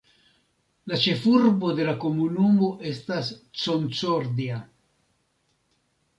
La ĉefurbo de la komunumo estas Concordia.